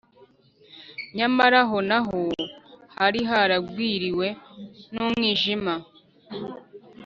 nyamara aho naho hari haragwiriwe n’umwijima